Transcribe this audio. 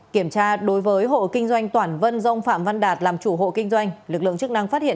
kiểm tra đối với hộ kinh doanh toản vân do ông phạm văn đạt làm chủ hộ kinh doanh lực lượng chức năng phát hiện